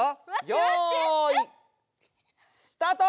よいスタート！